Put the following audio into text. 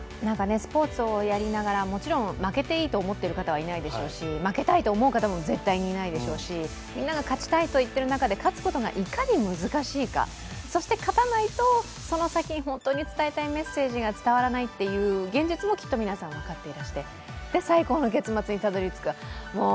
スポーツをやりながらもちろん負けていいと思っている方はいないでしょうし負けたいと思う方も絶対にいないでしょうしみんなで勝ちたいと思っているとき、勝つことがいかに難しいか、そして勝てないとその先に本当に伝えないメッセージが伝わらないという現実もきっと皆さん分かっていらして、最高の結末にたどり着く